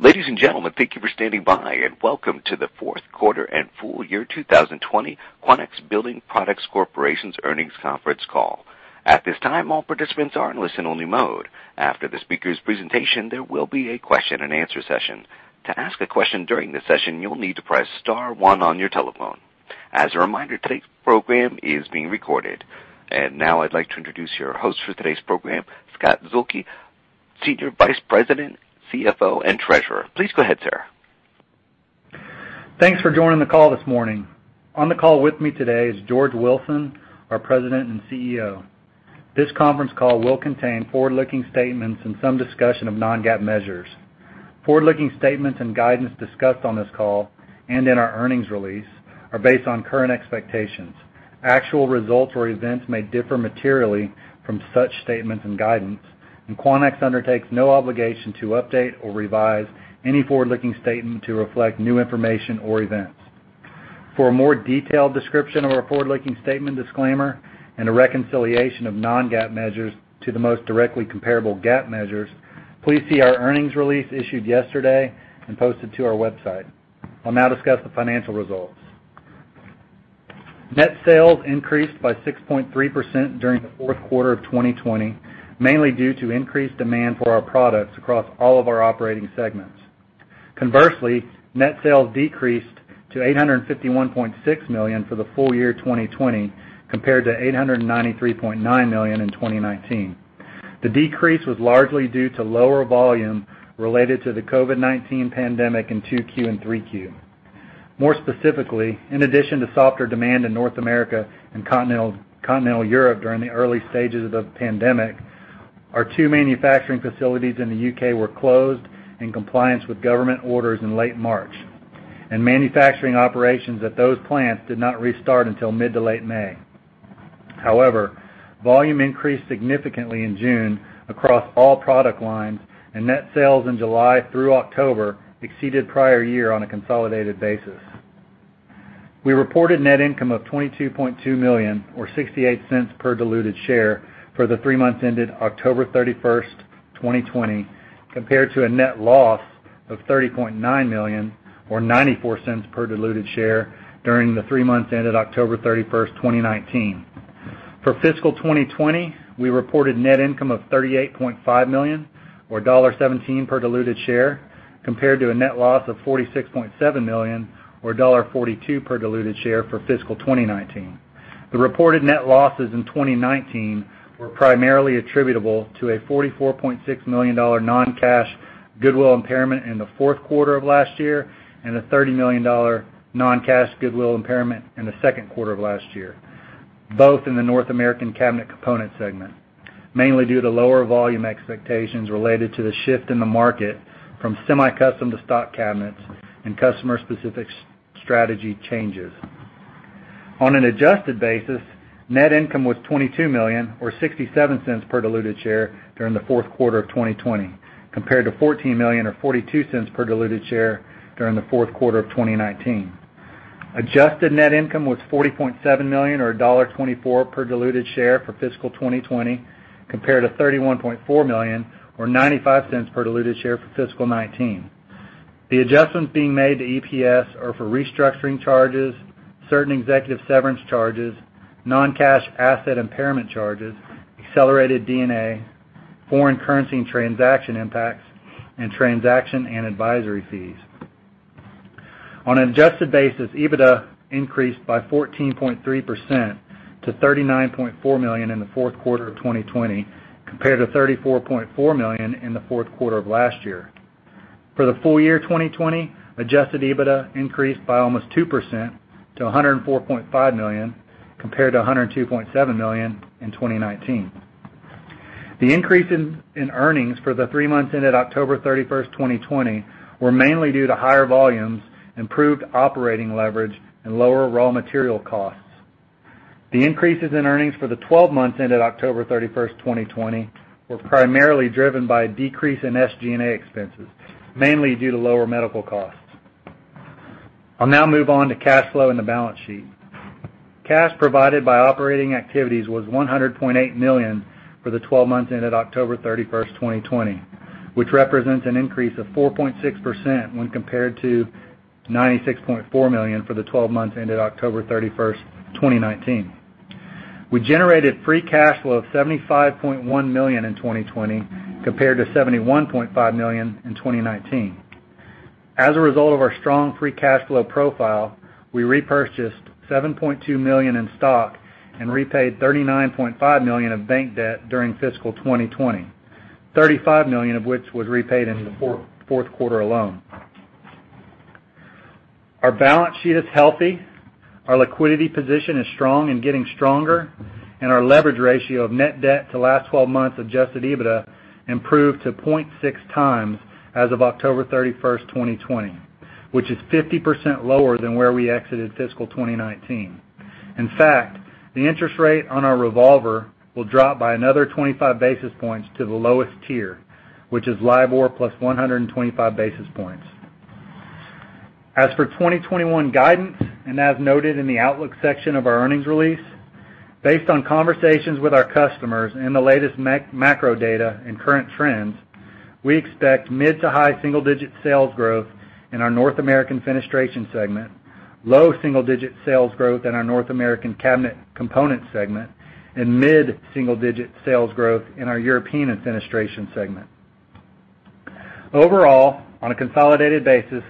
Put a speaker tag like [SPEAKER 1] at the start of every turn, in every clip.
[SPEAKER 1] Ladies and gentlemen, thank you for standing by, and welcome to the fourth quarter and full year 2020 Quanex Building Products Corporation's earnings conference call. At this time, all participants are in listen-only mode. After the speaker's presentation, there will be a question-and-answer session. To ask a question during the session, you'll need to press star one on your telephone. As a reminder, today's program is being recorded. Now I'd like to introduce your host for today's program, Scott Zuehlke, Senior Vice President, CFO, and Treasurer. Please go ahead, sir.
[SPEAKER 2] Thanks for joining the call this morning. On the call with me today is George Wilson, our President and CEO. This conference call will contain forward-looking statements and some discussion of non-GAAP measures. Forward-looking statements and guidance discussed on this call and in our earnings release are based on current expectations. Actual results or events may differ materially from such statements and guidance, and Quanex undertakes no obligation to update or revise any forward-looking statement to reflect new information or events. For a more detailed description of our forward-looking statement disclaimer and a reconciliation of non-GAAP measures to the most directly comparable GAAP measures, please see our earnings release issued yesterday and posted to our website. I'll now discuss the financial results. Net sales increased by 6.3% during the fourth quarter of 2020, mainly due to increased demand for our products across all of our operating segments. Conversely, net sales decreased to $851.6 million for the full-year 2020, compared to $893.9 million in 2019. The decrease was largely due to lower volume related to the COVID-19 pandemic in Q2 and Q3. More specifically, in addition to softer demand in North America and continental Europe during the early stages of the pandemic, our two manufacturing facilities in the U.K. were closed in compliance with government orders in late March, and manufacturing operations at those plants did not restart until mid to late May. Volume increased significantly in June across all product lines, and net sales in July through October exceeded prior year on a consolidated basis. We reported net income of $22.2 million, or $0.68 per diluted share for the three months ended October 31st, 2020, compared to a net loss of $30.9 million or $0.94 per diluted share during the three months ended October 31st, 2019. For fiscal 2020, we reported net income of $38.5 million or $1.17 per diluted share, compared to a net loss of $46.7 million or $1.42 per diluted share for fiscal 2019. The reported net losses in 2019 were primarily attributable to a $44.6 million non-cash goodwill impairment in the fourth quarter of last year, and a $30 million non-cash goodwill impairment in the second quarter of last year, both in the North American Cabinet Component segment, mainly due to lower volume expectations related to the shift in the market from semi-custom to stock cabinets and customer-specific strategy changes. On an adjusted basis, net income was $22 million or $0.67 per diluted share during the fourth quarter of 2020, compared to $14 million or $0.42 per diluted share during the fourth quarter of 2019. Adjusted net income was $40.7 million or $1.24 per diluted share for fiscal 2020, compared to $31.4 million or $0.95 per diluted share for fiscal 2019. The adjustments being made to EPS are for restructuring charges, certain executive severance charges, non-cash asset impairment charges, accelerated D&A, foreign currency and transaction impacts, and transaction and advisory fees. On an adjusted basis, EBITDA increased by 14.3% to $39.4 million in the fourth quarter of 2020, compared to $34.4 million in the fourth quarter of last year. For the full-year 2020, adjusted EBITDA increased by almost 2% to $104.5 million, compared to $102.7 million in 2019. The increase in earnings for the three months ended October 31st, 2020, were mainly due to higher volumes, improved operating leverage, and lower raw material costs. The increases in earnings for the 12 months ended October 31st, 2020, were primarily driven by a decrease in SG&A expenses, mainly due to lower medical costs. I'll now move on to cash flow and the balance sheet. Cash provided by operating activities was $100.8 million for the 12 months ended October 31st, 2020, which represents an increase of 4.6% when compared to $96.4 million for the 12 months ended October 31st, 2019. We generated free cash flow of $75.1 million in 2020 compared to $71.5 million in 2019. As a result of our strong free cash flow profile, we repurchased $7.2 million in stock and repaid $39.5 million of bank debt during fiscal 2020, $35 million of which was repaid in the fourth quarter alone. Our balance sheet is healthy, our liquidity position is strong and getting stronger, and our leverage ratio of net debt to last 12 months adjusted EBITDA improved to 0.6x as of October 31st, 2020, which is 50% lower than where we exited fiscal 2019. In fact, the interest rate on our revolver will drop by another 25 basis points to the lowest tier, which is LIBOR plus 125 basis points. As for 2021 guidance, as noted in the outlook section of our earnings release, based on conversations with our customers and the latest macro data and current trends, we expect mid to high single-digit sales growth in our North American Fenestration segment, low single-digit sales growth in our North American Cabinet Components segment, and mid single-digit sales growth in our European Fenestration segment. Overall, on a consolidated basis,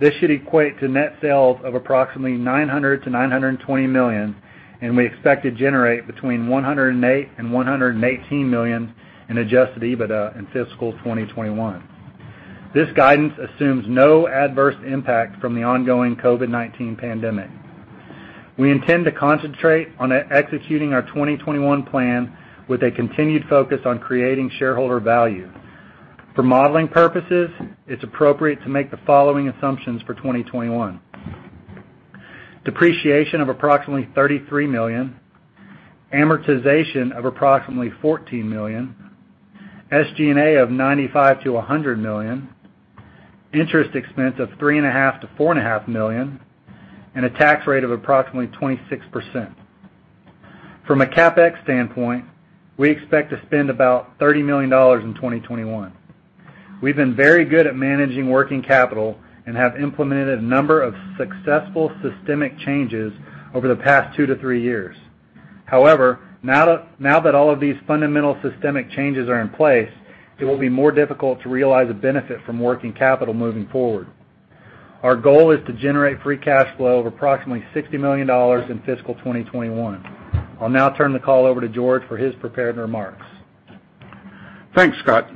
[SPEAKER 2] this should equate to net sales of approximately $900 million-$920 million, and we expect to generate between $108 million and $118 million in adjusted EBITDA in fiscal 2021. This guidance assumes no adverse impact from the ongoing COVID-19 pandemic. We intend to concentrate on executing our 2021 plan with a continued focus on creating shareholder value. For modeling purposes, it's appropriate to make the following assumptions for 2021. Depreciation of approximately $33 million, amortization of approximately $14 million, SG&A of $95 million-$100 million, interest expense of $3.5 Million-$4.5 Million, and a tax rate of approximately 26%. From a CapEx standpoint, we expect to spend about $30 million in 2021. We've been very good at managing working capital and have implemented a number of successful systemic changes over the past two to three years. However, now that all of these fundamental systemic changes are in place, it will be more difficult to realize a benefit from working capital moving forward. Our goal is to generate free cash flow of approximately $60 million in fiscal 2021. I'll now turn the call over to George for his prepared remarks.
[SPEAKER 3] Thanks, Scott.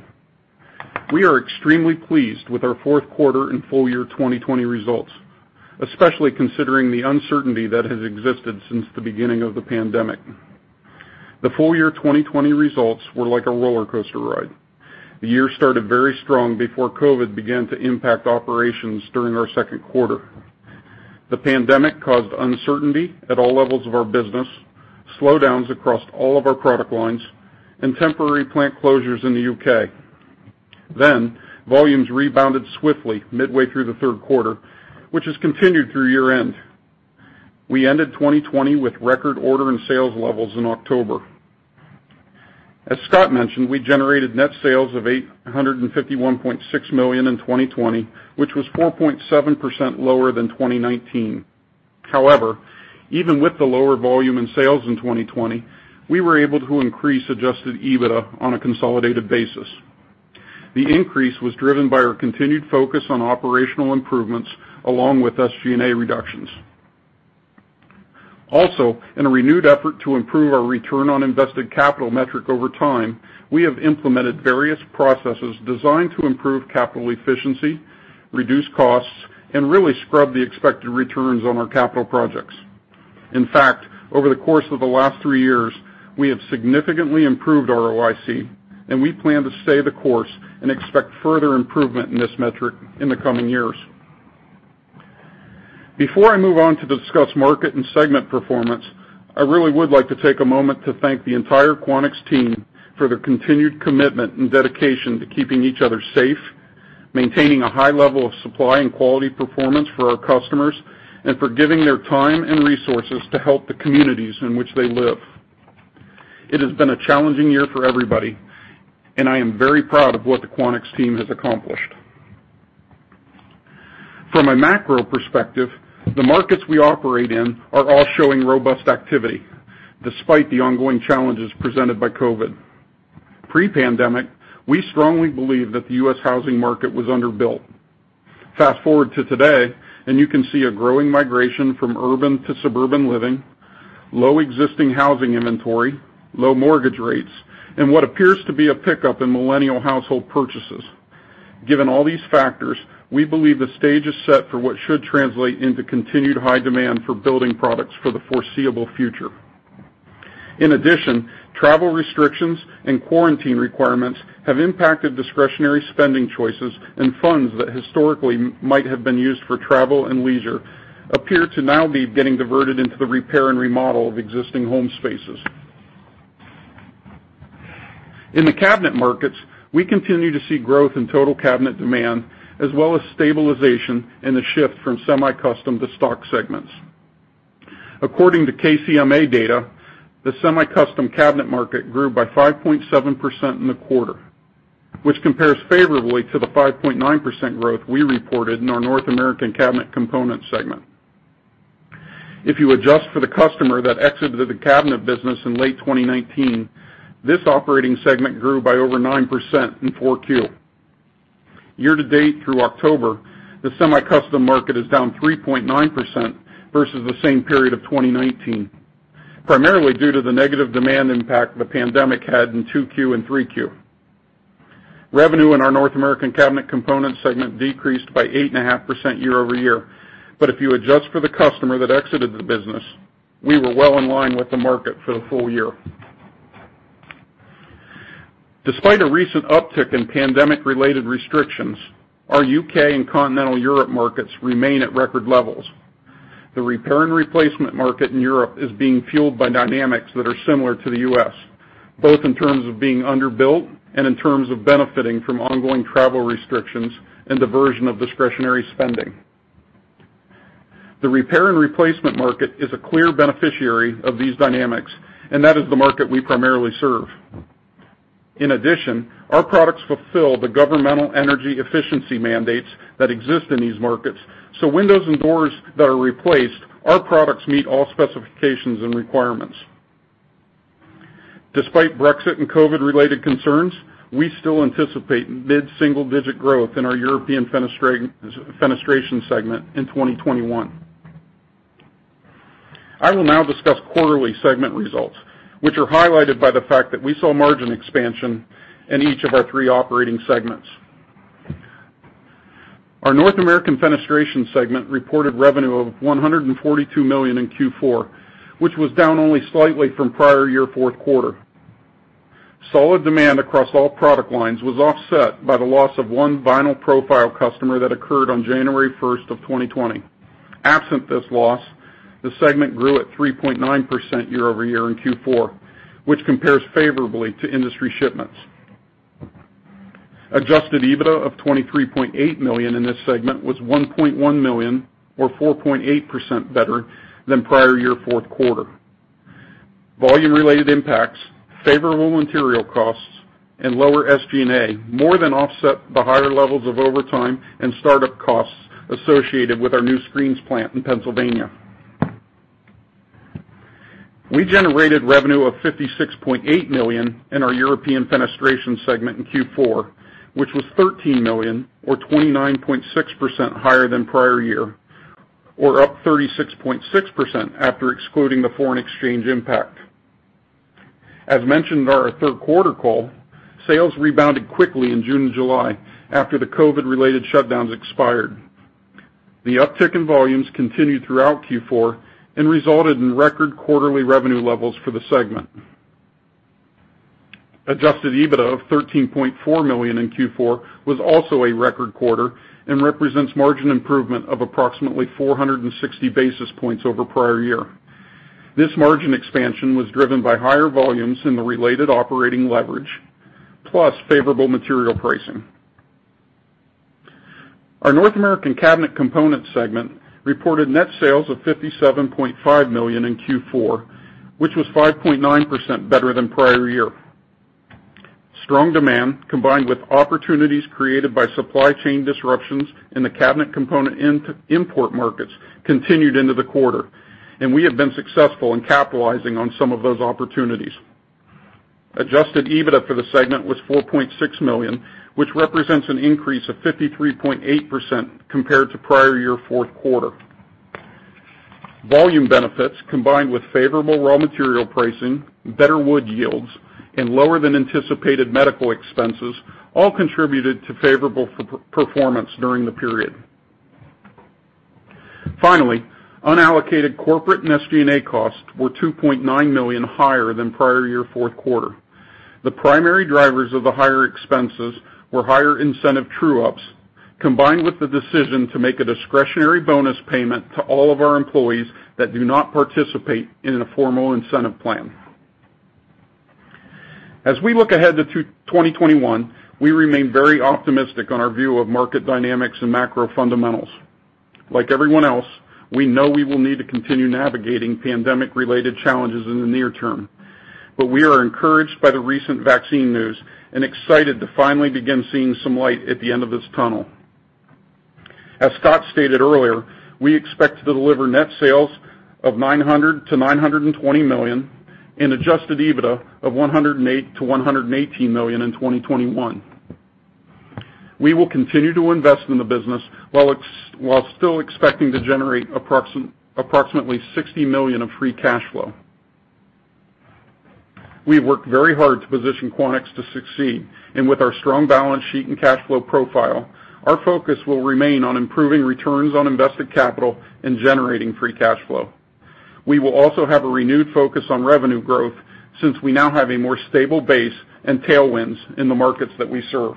[SPEAKER 3] We are extremely pleased with our fourth quarter and full year 2020 results, especially considering the uncertainty that has existed since the beginning of the pandemic. The full year 2020 results were like a roller coaster ride. The year started very strong before COVID began to impact operations during our second quarter. The pandemic caused uncertainty at all levels of our business, slowdowns across all of our product lines, and temporary plant closures in the U.K. Volumes rebounded swiftly midway through the third quarter, which has continued through year end. We ended 2020 with record order and sales levels in October. As Scott mentioned, we generated net sales of $851.6 million in 2020, which was 4.7% lower than 2019. However, even with the lower volume in sales in 2020, we were able to increase adjusted EBITDA on a consolidated basis. The increase was driven by our continued focus on operational improvements along with SG&A reductions. Also, in a renewed effort to improve our return on invested capital metric over time, we have implemented various processes designed to improve capital efficiency, reduce costs, and really scrub the expected returns on our capital projects. In fact, over the course of the last three years, we have significantly improved ROIC, and we plan to stay the course and expect further improvement in this metric in the coming years. Before I move on to discuss market and segment performance, I really would like to take a moment to thank the entire Quanex team for their continued commitment and dedication to keeping each other safe, maintaining a high level of supply and quality performance for our customers, and for giving their time and resources to help the communities in which they live. It has been a challenging year for everybody, and I am very proud of what the Quanex team has accomplished. From a macro perspective, the markets we operate in are all showing robust activity, despite the ongoing challenges presented by COVID. Pre-pandemic, we strongly believe that the U.S. housing market was under-built. Fast-forward to today, you can see a growing migration from urban to suburban living, low existing housing inventory, low mortgage rates, and what appears to be a pickup in millennial household purchases. Given all these factors, we believe the stage is set for what should translate into continued high demand for building products for the foreseeable future. In addition, travel restrictions and quarantine requirements have impacted discretionary spending choices and funds that historically might have been used for travel and leisure appear to now be getting diverted into the repair and remodel of existing home spaces. In the cabinet markets, we continue to see growth in total cabinet demand, as well as stabilization in the shift from semi-custom to stock segments. According to KCMA data, the semi-custom cabinet market grew by 5.7% in the quarter, which compares favorably to the 5.9% growth we reported in our North American Cabinet Component segment. If you adjust for the customer that exited the cabinet business in late 2019, this operating segment grew by over 9% in 4Q. Year-to-date through October, the semi-custom market is down 3.9% versus the same period of 2019, primarily due to the negative demand impact the pandemic had in 2Q and 3Q. Revenue in our North American Cabinet Component segment decreased by 8.5% year-over-year. If you adjust for the customer that exited the business, we were well in line with the market for the full year. Despite a recent uptick in pandemic-related restrictions, our U.K. and continental Europe markets remain at record levels. The repair and replacement market in Europe is being fueled by dynamics that are similar to the U.S., both in terms of being underbuilt and in terms of benefiting from ongoing travel restrictions and diversion of discretionary spending. The repair and replacement market is a clear beneficiary of these dynamics, and that is the market we primarily serve. In addition, our products fulfill the governmental energy efficiency mandates that exist in these markets, so windows and doors that are replaced, our products meet all specifications and requirements. Despite Brexit and COVID-related concerns, we still anticipate mid-single-digit growth in our European Fenestration segment in 2021. I will now discuss quarterly segment results, which are highlighted by the fact that we saw margin expansion in each of our three operating segments. Our North American Fenestration segment reported revenue of $142 million in Q4, which was down only slightly from prior year fourth quarter. Solid demand across all product lines was offset by the loss of one vinyl profile customer that occurred on January 1st of 2020. Absent this loss, the segment grew at 3.9% year-over-year in Q4, which compares favorably to industry shipments. Adjusted EBITDA of $23.8 million in this segment was $1.1 million, or 4.8% better than prior year fourth quarter. Volume-related impacts, favorable material costs, and lower SG&A more than offset the higher levels of overtime and startup costs associated with our new screens plant in Pennsylvania. We generated revenue of $56.8 million in our European Fenestration segment in Q4, which was $13 million or 29.6% higher than prior year, or up 36.6% after excluding the foreign exchange impact. As mentioned in our third quarter call, sales rebounded quickly in June and July after the COVID-related shutdowns expired. The uptick in volumes continued throughout Q4 and resulted in record quarterly revenue levels for the segment. Adjusted EBITDA of $13.4 million in Q4 was also a record quarter and represents margin improvement of approximately 460 basis points over prior year. This margin expansion was driven by higher volumes in the related operating leverage, plus favorable material pricing. Our North American Cabinet Component segment reported net sales of $57.5 million in Q4, which was 5.9% better than prior year. Strong demand, combined with opportunities created by supply chain disruptions in the cabinet component import markets, continued into the quarter, and we have been successful in capitalizing on some of those opportunities. Adjusted EBITDA for the segment was $4.6 million, which represents an increase of 53.8% compared to prior year fourth quarter. Volume benefits, combined with favorable raw material pricing, better wood yields, and lower than anticipated medical expenses all contributed to favorable performance during the period. Finally, unallocated corporate and SG&A costs were $2.9 million higher than prior year fourth quarter. The primary drivers of the higher expenses were higher incentive true-ups, combined with the decision to make a discretionary bonus payment to all of our employees that do not participate in a formal incentive plan. As we look ahead to 2021, we remain very optimistic on our view of market dynamics and macro fundamentals. Like everyone else, we know we will need to continue navigating pandemic-related challenges in the near term. We are encouraged by the recent vaccine news and excited to finally begin seeing some light at the end of this tunnel. As Scott stated earlier, we expect to deliver net sales of $900 million-$920 million and adjusted EBITDA of $108 million-$118 million in 2021. We will continue to invest in the business while still expecting to generate approximately $60 million of free cash flow. We have worked very hard to position Quanex to succeed, and with our strong balance sheet and cash flow profile, our focus will remain on improving returns on invested capital and generating free cash flow. We will also have a renewed focus on revenue growth since we now have a more stable base and tailwinds in the markets that we serve.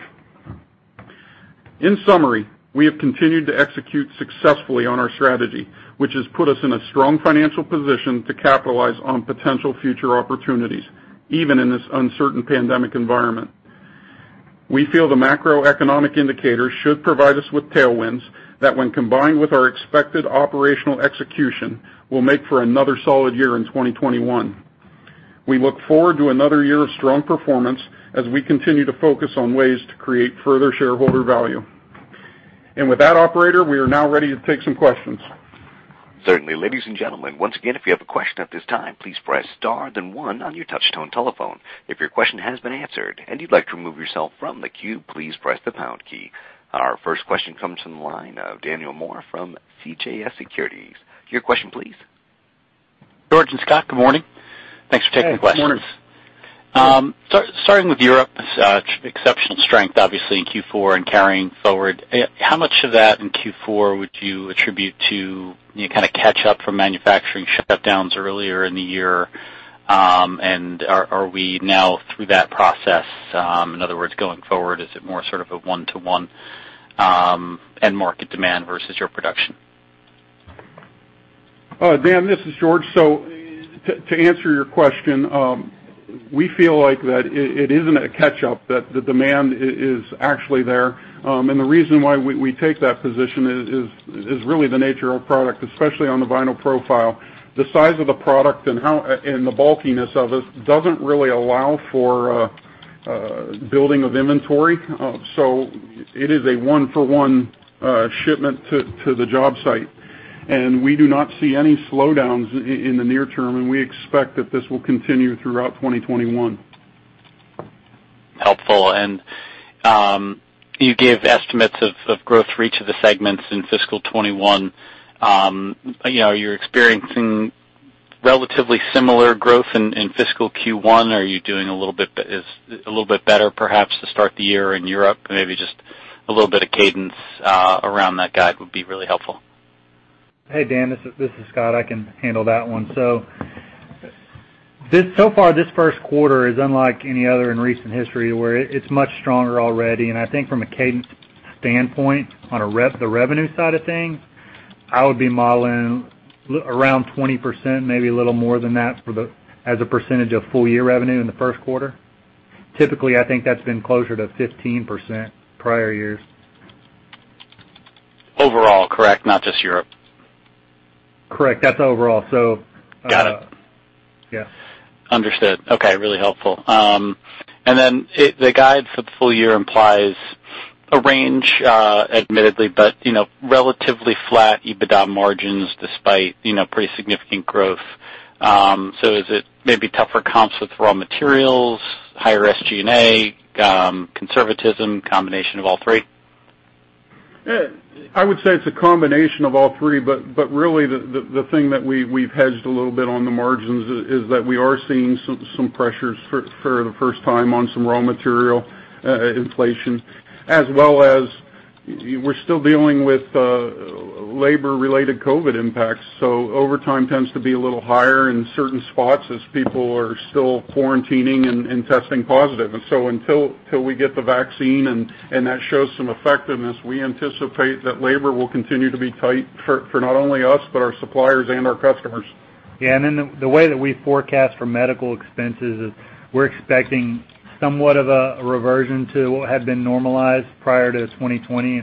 [SPEAKER 3] In summary, we have continued to execute successfully on our strategy, which has put us in a strong financial position to capitalize on potential future opportunities, even in this uncertain pandemic environment. We feel the macroeconomic indicators should provide us with tailwinds that, when combined with our expected operational execution, will make for another solid year in 2021. We look forward to another year of strong performance as we continue to focus on ways to create further shareholder value. With that, operator, we are now ready to take some questions.
[SPEAKER 1] Certainly. Ladies and gentlemen, once again, if you have a question at this time, please press star then one on your touch tone telephone. If your question has been answered and you'd like to remove yourself from the queue, please press the pound key. Our first question comes from the line of Daniel Moore from CJS Securities. Your question, please.
[SPEAKER 4] George and Scott, good morning. Thanks for taking the questions.
[SPEAKER 3] Morning.
[SPEAKER 4] Starting with Europe, exceptional strength, obviously, in Q4 and carrying forward. How much of that in Q4 would you attribute to catch-up from manufacturing shutdowns earlier in the year? Are we now through that process? In other words, going forward, is it more sort of a one-to-one end market demand versus your production?
[SPEAKER 3] Dan, this is George. To answer your question, we feel like that it isn't a catch-up, that the demand is actually there. The reason why we take that position is really the nature of product, especially on the vinyl profile. The size of the product and the bulkiness of it doesn't really allow for building of inventory. It is a one-for-one shipment to the job site. We do not see any slowdowns in the near term, and we expect that this will continue throughout 2021.
[SPEAKER 4] Helpful. You gave estimates of growth for each of the segments in fiscal 2021. You're experiencing relatively similar growth in fiscal Q1. Are you doing a little bit better perhaps to start the year in Europe? Maybe just a little bit of cadence around that guide would be really helpful.
[SPEAKER 2] Hey, Dan, this is Scott. I can handle that one. So far, this first quarter is unlike any other in recent history where it's much stronger already. I think from a cadence standpoint on the revenue side of things, I would be modeling around 20%, maybe a little more than that as a percentage of full-year revenue in the first quarter. Typically, I think that's been closer to 15% prior years.
[SPEAKER 4] Overall, correct? Not just Europe.
[SPEAKER 2] Correct. That's overall.
[SPEAKER 4] Got it.
[SPEAKER 2] Yeah.
[SPEAKER 4] Understood. Okay. Really helpful. The guide for the full year implies a range, admittedly, but relatively flat EBITDA margins despite pretty significant growth. Is it maybe tougher comps with raw materials, higher SG&A, conservatism, combination of all three?
[SPEAKER 3] I would say it's a combination of all three, but really the thing that we've hedged a little bit on the margins is that we are seeing some pressures for the first time on some raw material inflation, as well as we're still dealing with labor-related COVID impacts. Overtime tends to be a little higher in certain spots as people are still quarantining and testing positive. Until we get the vaccine and that shows some effectiveness, we anticipate that labor will continue to be tight for not only us, but our suppliers and our customers.
[SPEAKER 2] The way that we forecast for medical expenses is we're expecting somewhat of a reversion to what had been normalized prior to 2020.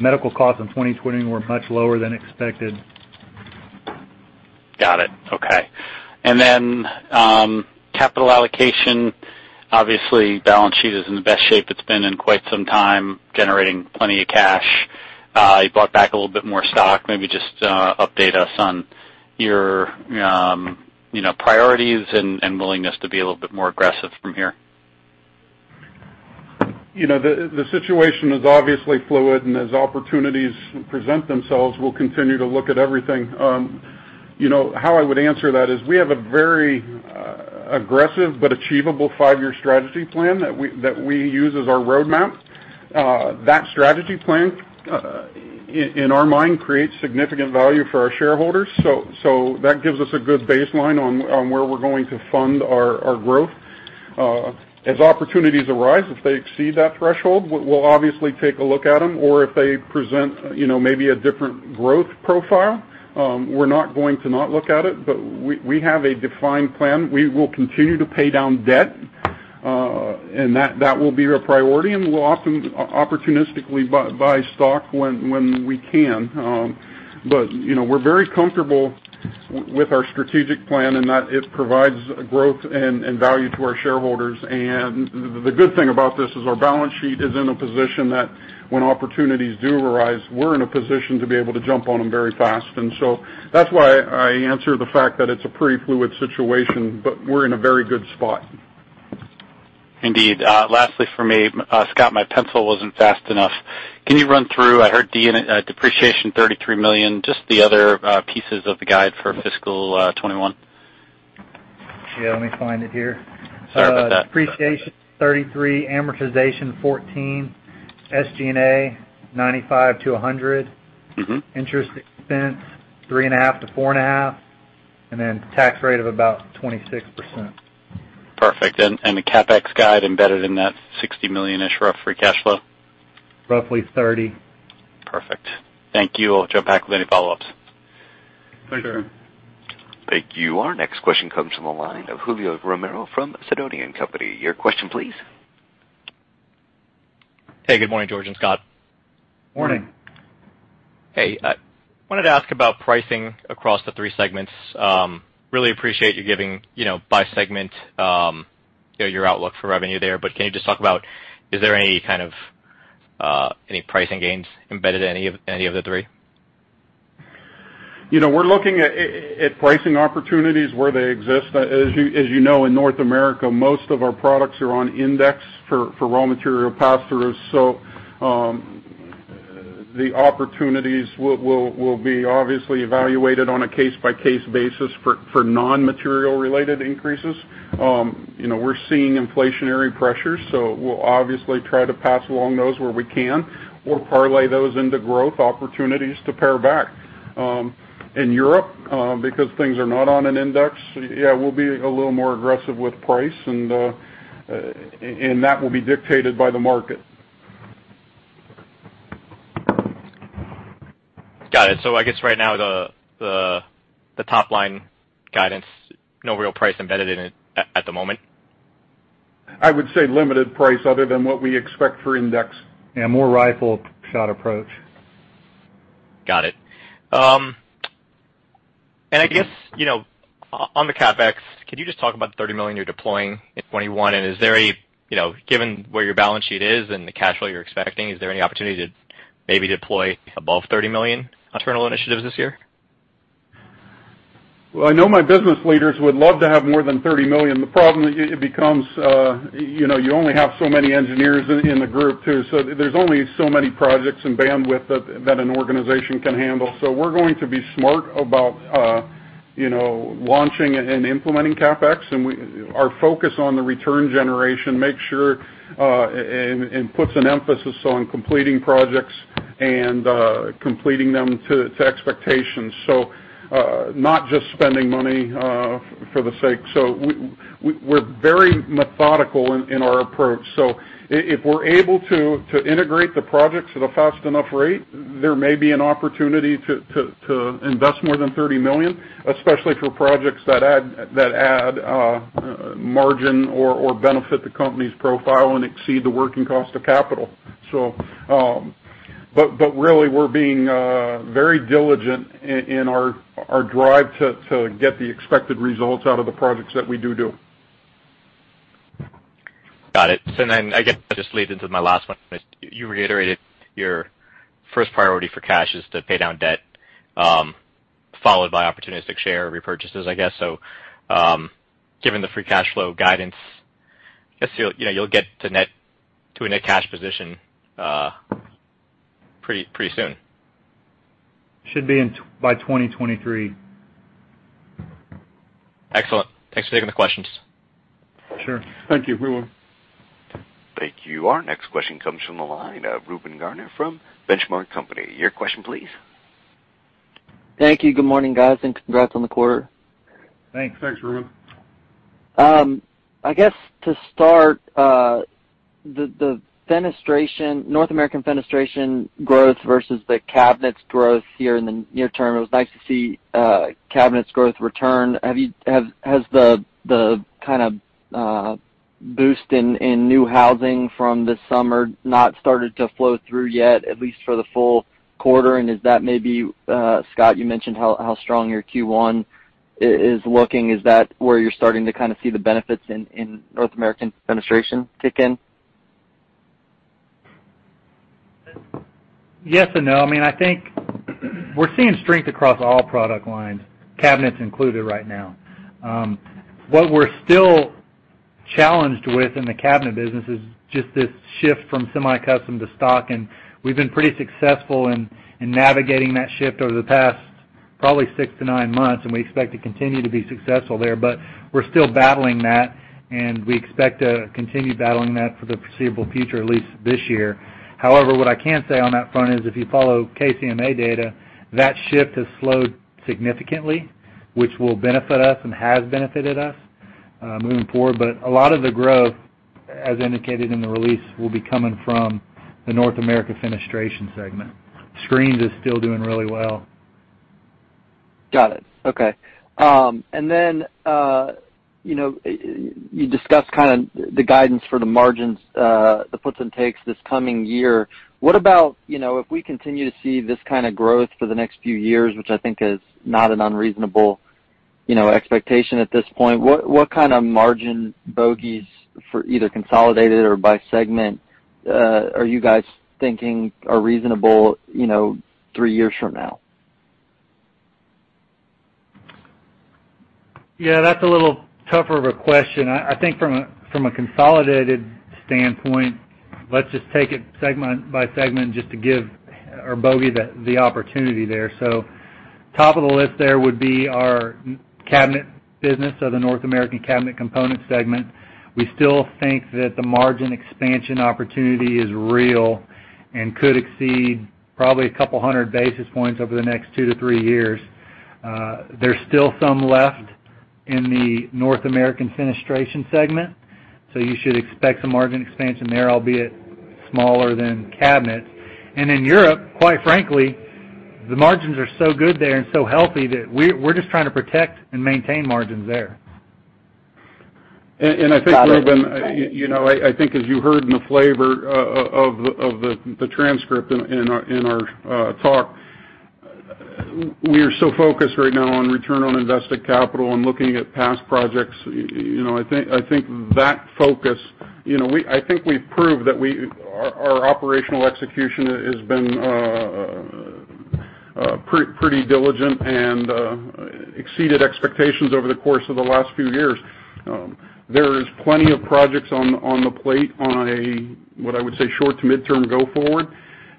[SPEAKER 2] Medical costs in 2020 were much lower than expected.
[SPEAKER 4] Got it. Okay. Capital allocation, obviously balance sheet is in the best shape it's been in quite some time, generating plenty of cash. You bought back a little bit more stock. Maybe just update us on your priorities and willingness to be a little bit more aggressive from here.
[SPEAKER 3] The situation is obviously fluid, and as opportunities present themselves, we'll continue to look at everything. How I would answer that is we have a very aggressive but achievable five-year strategy plan that we use as our roadmap. That strategy plan, in our mind, creates significant value for our shareholders. That gives us a good baseline on where we're going to fund our growth. As opportunities arise, if they exceed that threshold, we'll obviously take a look at them. If they present maybe a different growth profile, we're not going to not look at it. We have a defined plan. We will continue to pay down debt, and that will be a priority. We'll opportunistically buy stock when we can. We're very comfortable with our strategic plan and that it provides growth and value to our shareholders. The good thing about this is our balance sheet is in a position that when opportunities do arise, we're in a position to be able to jump on them very fast. That's why I answer the fact that it's a pretty fluid situation, but we're in a very good spot.
[SPEAKER 4] Indeed. Lastly from me, Scott, my pencil wasn't fast enough. Can you run through, I heard depreciation $33 million, just the other pieces of the guide for fiscal 2021?
[SPEAKER 2] Yeah, let me find it here.
[SPEAKER 4] Sorry about that.
[SPEAKER 2] Depreciation $33 million, amortization $14 million, SG&A $95 million-$100 million, interest expense $3.5 million-$4.5 million, tax rate of about 26%.
[SPEAKER 4] Perfect. The CapEx guide embedded in that $60 million-ish rough free cash flow?
[SPEAKER 2] Roughly 30.
[SPEAKER 4] Perfect. Thank you. I'll jump back with any follow-ups.
[SPEAKER 2] Sure.
[SPEAKER 3] Thank you.
[SPEAKER 1] Thank you. Our next question comes from the line of Julio Romero from Sidoti and Company. Your question, please.
[SPEAKER 5] Hey, good morning, George and Scott.
[SPEAKER 3] Morning.
[SPEAKER 2] Morning.
[SPEAKER 5] Hey. I wanted to ask about pricing across the three segments. Really appreciate you giving by segment your outlook for revenue there, but can you just talk about, is there any kind of any pricing gains embedded in any of the three?
[SPEAKER 3] We're looking at pricing opportunities where they exist. As you know, in North America, most of our products are on index for raw material passthroughs. The opportunities will be obviously evaluated on a case-by-case basis for non-material related increases. We're seeing inflationary pressures, so we'll obviously try to pass along those where we can or parlay those into growth opportunities to pare back. In Europe, because things are not on an index, we'll be a little more aggressive with price and that will be dictated by the market.
[SPEAKER 5] Got it. I guess right now, the top-line guidance, no real price embedded in it at the moment?
[SPEAKER 3] I would say limited price other than what we expect for index.
[SPEAKER 2] Yeah, more rifle shot approach.
[SPEAKER 5] Got it. I guess, on the CapEx, could you just talk about the $30 million you're deploying in 2021, and given where your balance sheet is and the cash flow you're expecting, is there any opportunity to maybe deploy above $30 million on internal initiatives this year?
[SPEAKER 3] Well, I know my business leaders would love to have more than $30 million. The problem, it becomes you only have so many engineers in the group, too. There's only so many projects and bandwidth that an organization can handle. We're going to be smart about launching and implementing CapEx, and our focus on the return generation makes sure and puts an emphasis on completing projects and completing them to expectations. Not just spending money for the sake. We're very methodical in our approach. If we're able to integrate the projects at a fast enough rate, there may be an opportunity to invest more than $30 million, especially for projects that add margin or benefit the company's profile and exceed the working cost of capital. Really, we're being very diligent in our drive to get the expected results out of the projects that we do.
[SPEAKER 5] Got it. I guess this leads into my last one. You reiterated your first priority for cash is to pay down debt, followed by opportunistic share repurchases, I guess. Given the free cash flow guidance, I guess you'll get to a net cash position pretty soon.
[SPEAKER 2] Should be by 2023.
[SPEAKER 5] Excellent. Thanks for taking the questions.
[SPEAKER 3] Sure. Thank you.
[SPEAKER 2] You're welcome.
[SPEAKER 1] Thank you. Our next question comes from the line of Reuben Garner from The Benchmark Company. Your question please.
[SPEAKER 6] Thank you. Good morning, guys, and congrats on the quarter.
[SPEAKER 2] Thanks.
[SPEAKER 3] Thanks, Reuben.
[SPEAKER 6] I guess to start, the North American Fenestration growth versus the Cabinet growth here in the near term, it was nice to see Cabinet growth return. Has the kind of boost in new housing from this summer not started to flow through yet, at least for the full quarter? And is that maybe, Scott, you mentioned how strong your Q1 is looking, is that where you're starting to kind of see the benefits in North American Fenestration kick in?
[SPEAKER 2] Yes and no. I think we're seeing strength across all product lines, cabinets included right now. What we're still challenged with in the cabinet business is just this shift from semi-custom to stock, and we've been pretty successful in navigating that shift over the past probably six to nine months, and we expect to continue to be successful there. We're still battling that, and we expect to continue battling that for the foreseeable future, at least this year. However, what I can say on that front is if you follow KCMA data, that shift has slowed significantly, which will benefit us and has benefited us moving forward. A lot of the growth, as indicated in the release, will becoming from the North American Fenestration segment. Screens is still doing really well.
[SPEAKER 6] Got it. Okay. You discussed the guidance for the margins, the puts and takes this coming year. What about if we continue to see this kind of growth for the next few years, which I think is not an unreasonable expectation at this point, what kind of margin bogeys for either consolidated or by segment are you guys thinking are reasonable three years from now?
[SPEAKER 2] Yeah, that's a little tougher of a question. I think from a consolidated standpoint, let's just take it segment by segment just to give our boge the opportunity there. Top of the list there would be our cabinet business or the North American Cabinet Component segment. We still think that the margin expansion opportunity is real and could exceed probably a couple hundred basis points over the next two to three years. There's still some left in the North American Fenestration segment, so you should expect some margin expansion there, albeit smaller than cabinet. In Europe, quite frankly, the margins are so good there and so healthy that we're just trying to protect and maintain margins there.
[SPEAKER 3] I think, Reuben, I think as you heard in the flavor of the transcript in our talk, we are so focused right now on return on invested capital and looking at past projects. I think we've proved that our operational execution has been pretty diligent and exceeded expectations over the course of the last few years. There's plenty of projects on the plate on a, what I would say, short to mid-term go forward.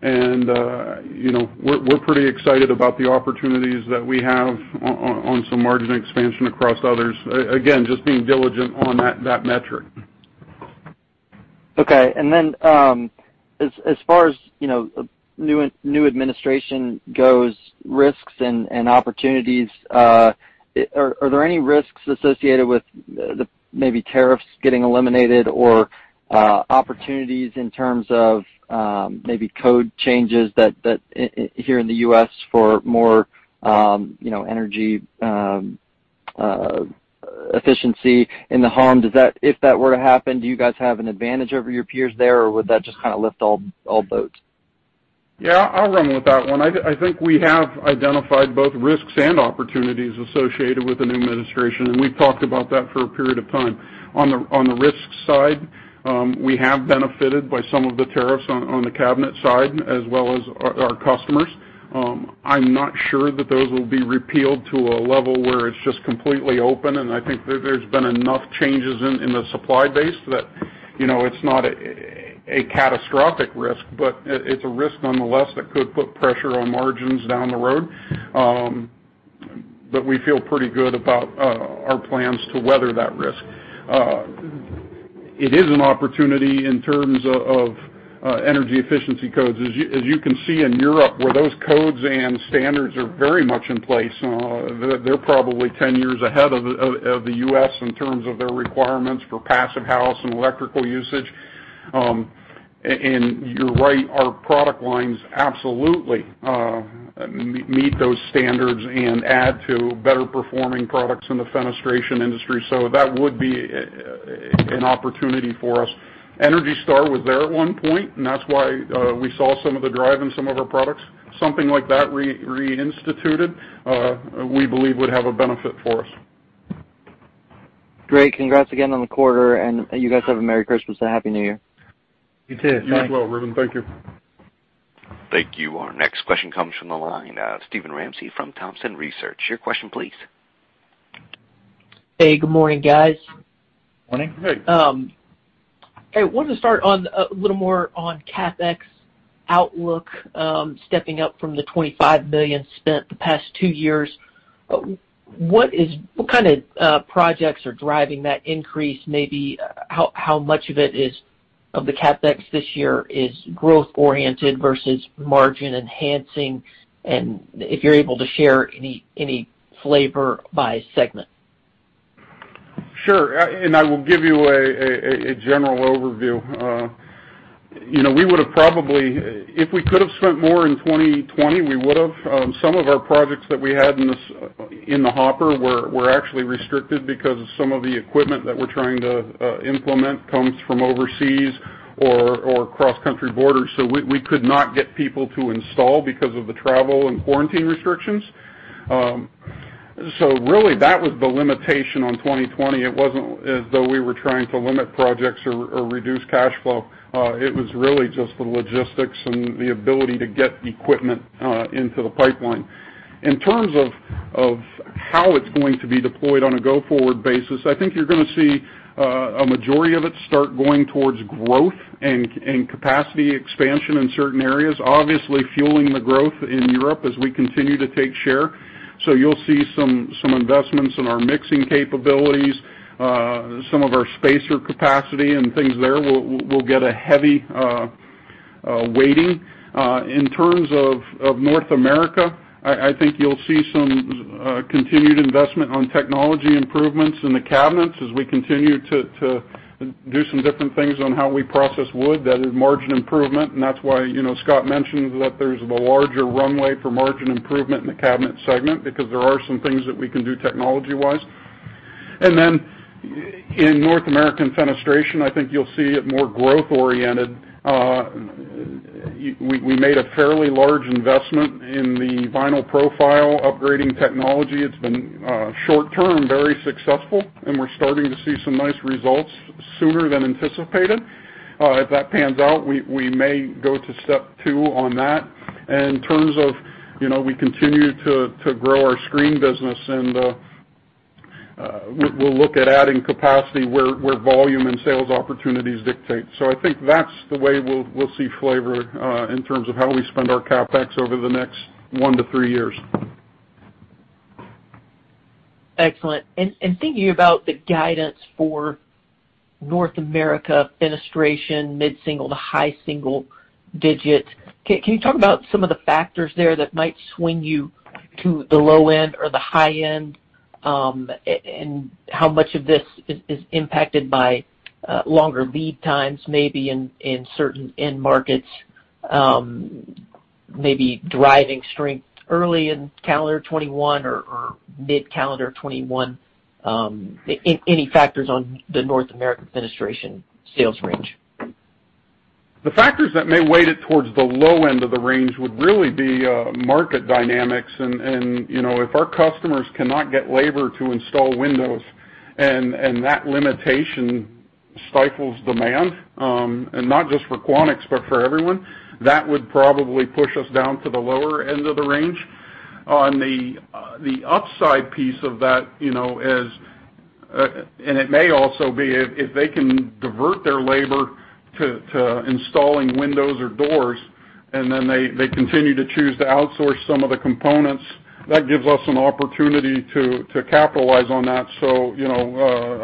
[SPEAKER 3] We're pretty excited about the opportunities that we have on some margin expansion across others. Again, just being diligent on that metric.
[SPEAKER 6] Okay. As far as new administration goes, risks and opportunities, are there any risks associated with maybe tariffs getting eliminated or opportunities in terms of maybe code changes here in the U.S. for more energy efficiency in the home? If that were to happen, do you guys have an advantage over your peers there, or would that just kind of lift all boats?
[SPEAKER 3] Yeah, I'll run with that one. I think we have identified both risks and opportunities associated with the new administration, and we've talked about that for a period of time. On the risks side, we have benefited by some of the tariffs on the cabinet side as well as our customers. I'm not sure that those will be repealed to a level where it's just completely open, and I think there's been enough changes in the supply base that it's not a catastrophic risk, but it's a risk nonetheless that could put pressure on margins down the road. We feel pretty good about our plans to weather that risk. It is an opportunity in terms of energy efficiency codes. As you can see in Europe, where those codes and standards are very much in place, they're probably 10 years ahead of the U.S. in terms of their requirements for Passive House and electrical usage. You're right, our product lines absolutely meet those standards and add to better performing products in the fenestration industry. That would be an opportunity for us. ENERGY STAR was there at one point, and that's why we saw some of the drive in some of our products. Something like that reinstituted, we believe would have a benefit for us.
[SPEAKER 6] Great. Congrats again on the quarter, and you guys have a merry Christmas and a happy New Year.
[SPEAKER 3] You too. Bye. You as well, Reuben. Thank you.
[SPEAKER 1] Thank you. Our next question comes from the line, Steven Ramsey from Thompson Research. Your question, please.
[SPEAKER 7] Hey, good morning, guys.
[SPEAKER 3] Morning. Hey.
[SPEAKER 7] Hey. Wanted to start a little more on CapEx outlook, stepping up from the $25 million spent the past two years. What kind of projects are driving that increase? Maybe how much of the CapEx this year is growth-oriented versus margin enhancing? If you're able to share any flavor by segment.
[SPEAKER 3] Sure. I will give you a general overview. If we could've spent more in 2020, we would've. Some of our projects that we had in the hopper were actually restricted because some of the equipment that we're trying to implement comes from overseas or cross-country borders. We could not get people to install because of the travel and quarantine restrictions. Really, that was the limitation on 2020. It wasn't as though we were trying to limit projects or reduce cash flow. It was really just the logistics and the ability to get equipment into the pipeline. In terms of how it's going to be deployed on a go-forward basis, I think you're going to see a majority of it start going towards growth and capacity expansion in certain areas, obviously fueling the growth in Europe as we continue to take share. You'll see some investments in our mixing capabilities. Some of our spacer capacity and things there will get a heavy weighting. In terms of North America, I think you'll see some continued investment on technology improvements in the cabinets as we continue to do some different things on how we process wood. That is margin improvement, and that's why Scott mentioned that there's the larger runway for margin improvement in the Cabinet segment because there are some things that we can do technology-wise. Then in North American Fenestration, I think you'll see it more growth-oriented. We made a fairly large investment in the vinyl profile upgrading technology. It's been short-term, very successful, and we're starting to see some nice results sooner than anticipated. If that pans out, we may go to step two on that. We continue to grow our screen business, and we'll look at adding capacity where volume and sales opportunities dictate. I think that's the way we'll see flavor in terms of how we spend our CapEx over the next one to three years.
[SPEAKER 7] Excellent. Thinking about the guidance for North American Fenestration, mid-single to high-single digit, can you talk about some of the factors there that might swing you to the low end or the high end? How much of this is impacted by longer lead times, maybe in certain end markets, maybe driving strength early in calendar 2021 or mid-calendar 2021? Any factors on the North American Fenestration sales range?
[SPEAKER 3] The factors that may weight it towards the low end of the range would really be market dynamics. If our customers cannot get labor to install windows and that limitation stifles demand, and not just for Quanex, but for everyone, that would probably push us down to the lower end of the range. On the upside piece of that it may also be if they can divert their labor to installing windows or doors. They continue to choose to outsource some of the components. That gives us an opportunity to capitalize on that.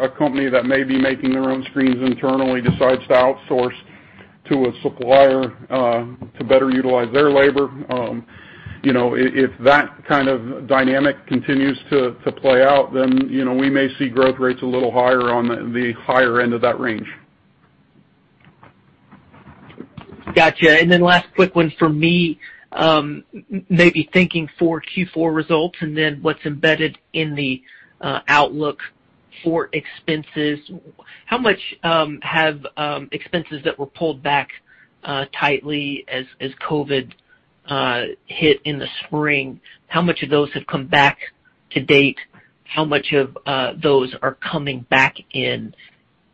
[SPEAKER 3] A company that may be making their own screens internally decides to outsource to a supplier to better utilize their labor. If that kind of dynamic continues to play out, then we may see growth rates a little higher on the higher end of that range.
[SPEAKER 7] Got you. Last quick one from me, maybe thinking for Q4 results and then what's embedded in the outlook for expenses, how much have expenses that were pulled back tightly as COVID hit in the spring, how much of those have come back-to-date? How much of those are coming back in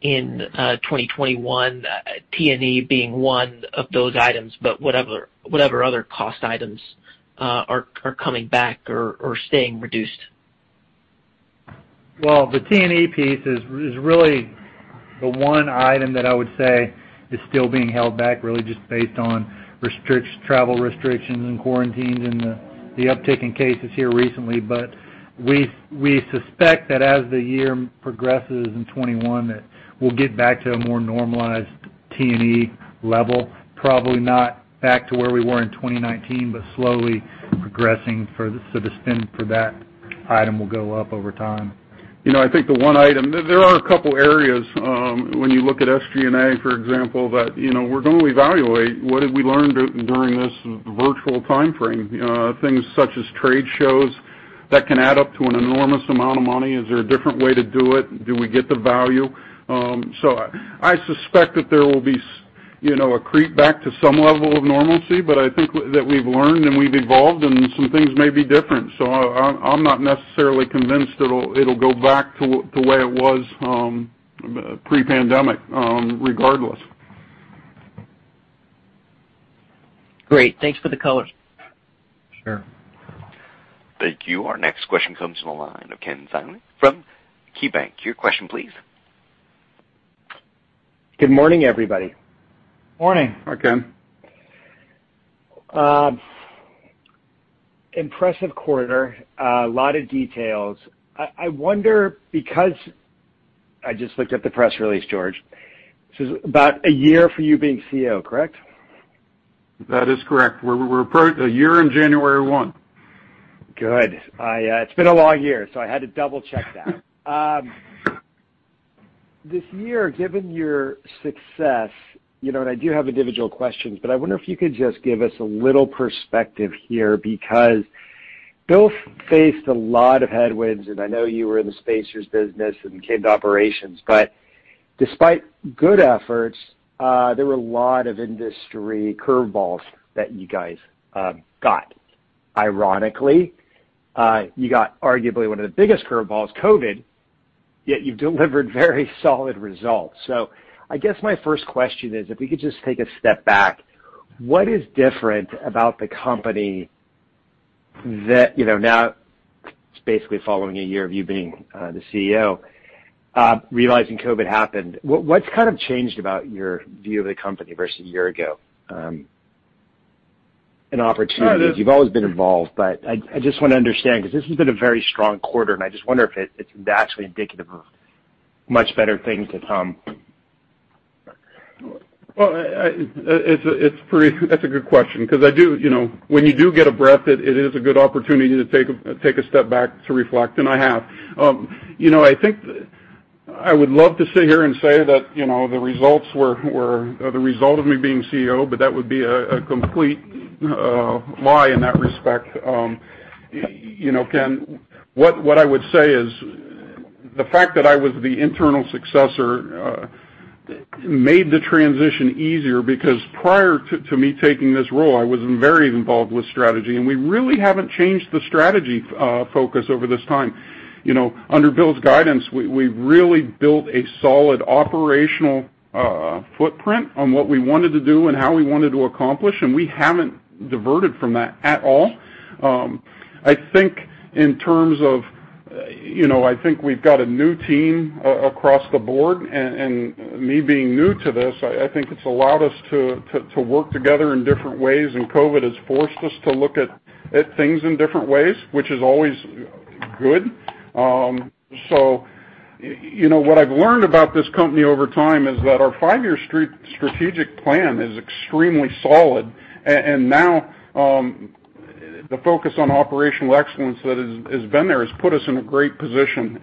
[SPEAKER 7] 2021, T&E being one of those items, but whatever other cost items are coming back or staying reduced?
[SPEAKER 2] Well, the T&E piece is really the one item that I would say is still being held back, really just based on travel restrictions and quarantines and the uptick in cases here recently. We suspect that as the year progresses in 2021, that we'll get back to a more normalized T&E level. Probably not back to where we were in 2019, but slowly progressing, so the spend for that item will go up over time.
[SPEAKER 3] There are a couple areas when you look at SG&A, for example, that we're going to evaluate what did we learn during this virtual timeframe. Things such as trade shows that can add up to an enormous amount of money. Is there a different way to do it? Do we get the value? I suspect that there will be a creep back to some level of normalcy, but I think that we've learned and we've evolved, and some things may be different. I'm not necessarily convinced it'll go back to the way it was pre-pandemic, regardless.
[SPEAKER 7] Great. Thanks for the colors.
[SPEAKER 2] Sure.
[SPEAKER 1] Thank you. Our next question comes from the line of Ken Zener from KeyBanc. Your question, please.
[SPEAKER 8] Good morning, everybody.
[SPEAKER 2] Morning.
[SPEAKER 3] Hi, Ken.
[SPEAKER 8] Impressive quarter. A lot of details. I wonder. I just looked at the press release, George. This is about a year for you being CEO, correct?
[SPEAKER 3] That is correct. We're a year in January one.
[SPEAKER 8] Good. It's been a long year. I had to double-check that. This year, given your success. I do have individual questions. I wonder if you could just give us a little perspective here. Bill faced a lot of headwinds. I know you were in the spacers business and kit operations. Despite good efforts, there were a lot of industry curveballs that you guys got. Ironically, you got arguably one of the biggest curveballs, COVID, yet you've delivered very solid results. I guess my first question is, if we could just take a step back, what is different about the company that now it's basically following a year of you being the CEO, realizing COVID happened. What's kind of changed about your view of the company versus a year ago? Opportunities. You've always been involved, but I just want to understand because this has been a very strong quarter, and I just wonder if it's actually indicative of much better things to come. Well, that's a good question, because when you do get a breath, it is a good opportunity to take a step back to reflect, and I have. I think I would love to sit here and say that the results were the result of me being CEO, but that would be a complete lie in that respect. Ken, what I would say is the fact that I was the internal successor made the transition easier because prior to me taking this role, I was very involved with strategy, and we really haven't changed the strategy focus over this time. Under Bill's guidance, we really built a solid operational footprint on what we wanted to do and how we wanted to accomplish, and we haven't diverted from that at all.
[SPEAKER 3] I think we've got a new team across the board, and me being new to this, I think it's allowed us to work together in different ways, and COVID has forced us to look at things in different ways, which is always good. What I've learned about this company over time is that our five-year strategic plan is extremely solid. Now, the focus on operational excellence that has been there has put us in a great position.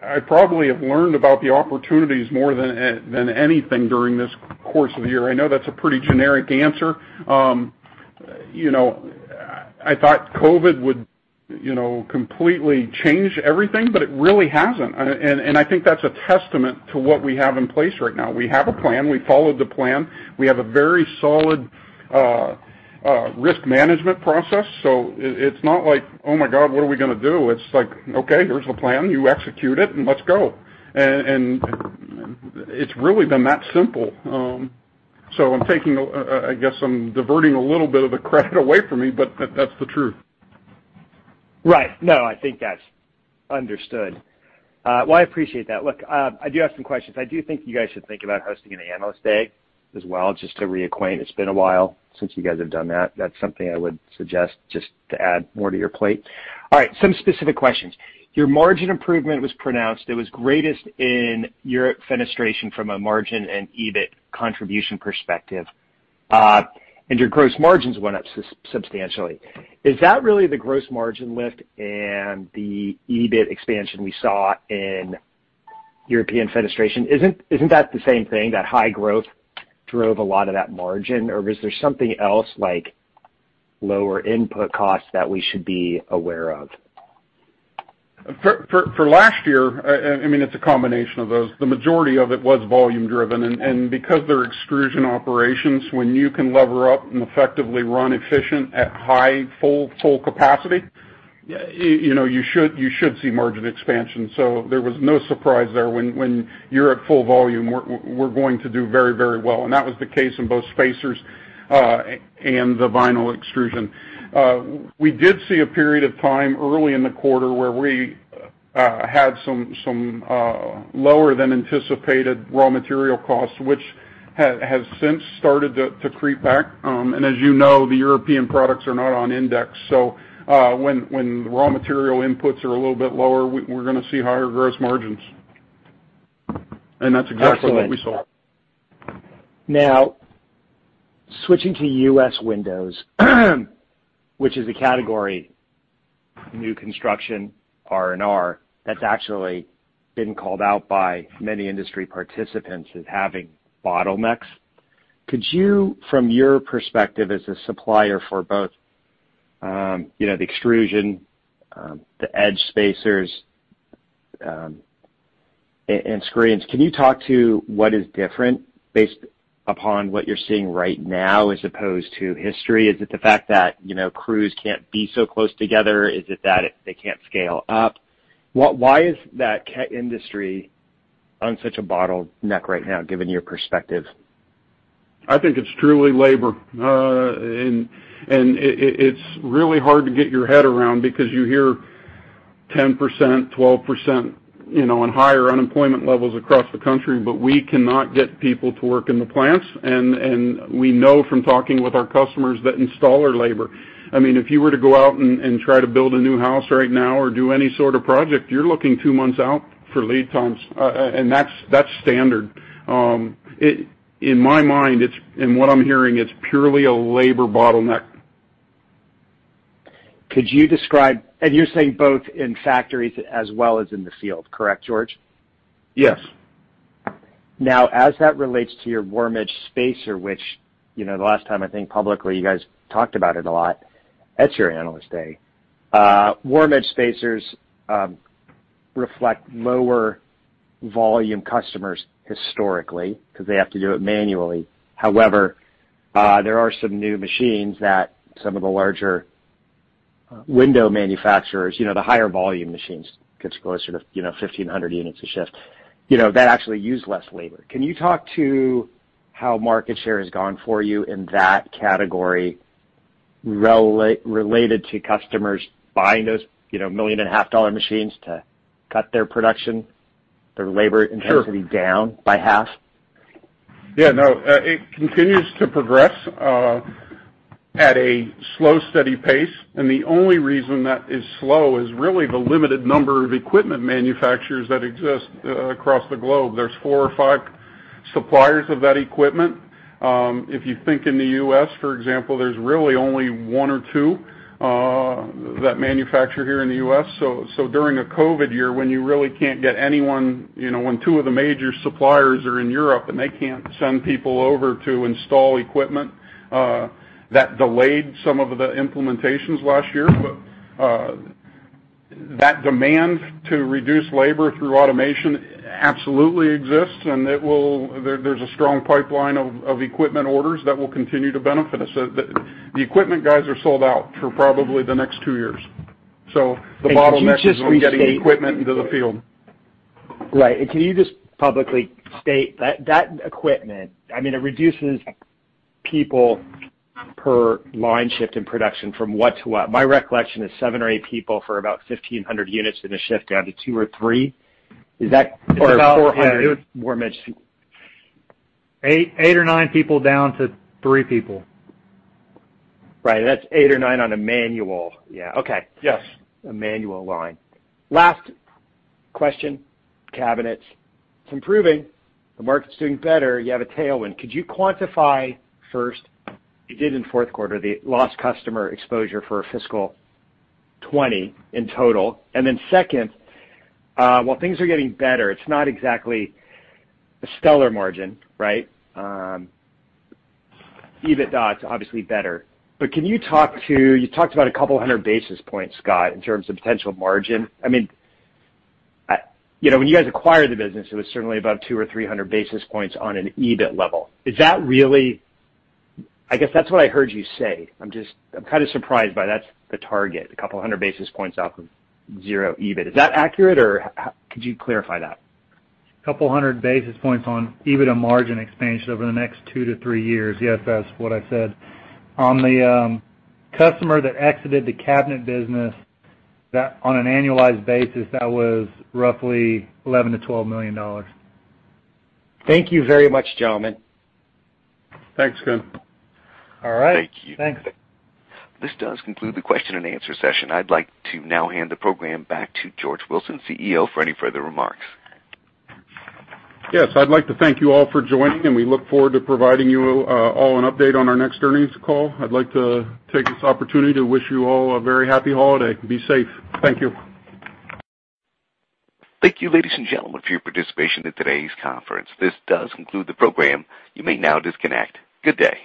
[SPEAKER 3] I probably have learned about the opportunities more than anything during this course of the year. I know that's a pretty generic answer. I thought COVID would completely change everything, but it really hasn't. I think that's a testament to what we have in place right now. We have a plan. We followed the plan. We have a very solid risk management process. It's not like, "Oh my God, what are we going to do." It's like, "Okay, here's the plan. You execute it, and let's go." It's really been that simple. I'm taking, I guess I'm diverting a little bit of the credit away from me, but that's the truth.
[SPEAKER 8] Right. No, I think that's understood. Well, I appreciate that. Look, I do have some questions. I do think you guys should think about hosting an analyst day as well, just to reacquaint. It's been a while since you guys have done that. That's something I would suggest just to add more to your plate. All right. Some specific questions. Your margin improvement was pronounced. It was greatest in European Fenestration from a margin and EBIT contribution perspective. Your gross margins went up substantially. Is that really the gross margin lift and the EBIT expansion we saw in European Fenestration? Isn't that the same thing, that high growth drove a lot of that margin? Or was there something else like lower input costs that we should be aware of?
[SPEAKER 3] For last year, it's a combination of those. The majority of it was volume driven, and because they're extrusion operations, when you can lever up and effectively run efficient at high full capacity, you should see margin expansion. There was no surprise there. When you're at full volume, we're going to do very well, and that was the case in both spacers and the vinyl extrusion. We did see a period of time early in the quarter where we had some lower than anticipated raw material costs, which has since started to creep back. As you know, the European products are not on index. When the raw material inputs are a little bit lower, we're going to see higher gross margins. That's exactly what we saw.
[SPEAKER 8] Excellent. Now, switching to U.S. windows, which is a category, new construction, R&R, that's actually been called out by many industry participants as having bottlenecks. Could you, from your perspective as a supplier for both the extrusion, the edge spacers, and screens, can you talk to what is different based upon what you're seeing right now as opposed to history? Is it the fact that crews can't be so close together? Is it that they can't scale up? Why is that industry on such a bottleneck right now, given your perspective?
[SPEAKER 3] I think it's truly labor. It's really hard to get your head around because you hear 10%, 12% on higher unemployment levels across the country, but we cannot get people to work in the plants, and we know from talking with our customers that install our labor. If you were to go out and try to build a new house right now or do any sort of project, you're looking two months out for lead times, and that's standard. In my mind, and what I'm hearing, it's purely a labor bottleneck.
[SPEAKER 8] You're saying both in factories as well as in the field, correct, George?
[SPEAKER 3] Yes.
[SPEAKER 8] As that relates to your warm edge spacer, which the last time I think publicly you guys talked about it a lot, at your Analyst Day. Warm edge spacers reflect lower volume customers historically because they have to do it manually. There are some new machines that some of the larger window manufacturers, the higher volume machines, gets closer to 1,500 units a shift, that actually use less labor. Can you talk to how market share has gone for you in that category related to customers buying those million and a half dollar machines to cut their production, their labor intensity down by half?
[SPEAKER 3] Yeah, no, it continues to progress at a slow, steady pace. The only reason that is slow is really the limited number of equipment manufacturers that exist across the globe. There's four or five suppliers of that equipment. If you think in the U.S., for example, there's really only one or two that manufacture here in the U.S. During a COVID year, when you really can't get anyone, when two of the major suppliers are in Europe and they can't send people over to install equipment, that delayed some of the implementations last year. That demand to reduce labor through automation absolutely exists. There's a strong pipeline of equipment orders that will continue to benefit us. The equipment guys are sold out for probably the next two years. The bottleneck is on getting equipment into the field.
[SPEAKER 8] Right. Can you just publicly state, that equipment, it reduces people per line shift in production from what to what? My recollection is seven or eight people for about 1,500 units in a shift down to two or three. Is that, or 400 Warm Edge?
[SPEAKER 2] Eight or nine people down to three people.
[SPEAKER 8] Right. That's eight or nine on a manual. Yeah. Okay.
[SPEAKER 2] Yes.
[SPEAKER 8] A manual line. Last question. Cabinets. It's improving. The market's doing better. You have a tailwind. Could you quantify first, you did in fourth quarter, the lost customer exposure for fiscal 2020 in total? Second, while things are getting better, it's not exactly a stellar margin, right? EBITDA, it's obviously better. Can you talk to, you talked about a couple of 100 basis points, Scott, in terms of potential margin. When you guys acquired the business, it was certainly about 200 or 300 basis points on an EBIT level. Is that really? I guess that's what I heard you say. I'm kind of surprised by that's the target, a couple of 100 basis points off of zero EBIT. Is that accurate, or could you clarify that?
[SPEAKER 2] A couple of 100 basis points on EBIT and margin expansion over the next two to three years. Yes, that's what I said. On the customer that exited the cabinet business, on an annualized basis, that was roughly $11 million-$12 million.
[SPEAKER 8] Thank you very much, gentlemen.
[SPEAKER 3] Thanks, Ken.
[SPEAKER 2] All right.
[SPEAKER 3] Thank you.
[SPEAKER 2] Thanks.
[SPEAKER 1] This does conclude the question-and-answer session. I'd like to now hand the program back to George Wilson, CEO, for any further remarks.
[SPEAKER 3] Yes, I'd like to thank you all for joining, and we look forward to providing you all an update on our next earnings call. I'd like to take this opportunity to wish you all a very happy holiday. Be safe. Thank you.
[SPEAKER 1] Thank you, ladies and gentlemen, for your participation in today's conference. This does conclude the program. You may now disconnect. Good day.